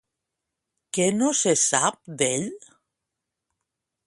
Què no se sap d'ell?